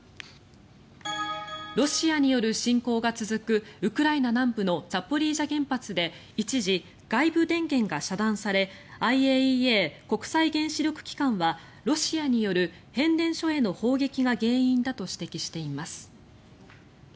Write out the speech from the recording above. ロシアによる侵攻が続くウクライナ南部のザポリージャ原発で一時、外部電源が遮断されＩＡＥＡ・国際原子力機関はロシアによる変電所への砲撃が原因だと指摘しています。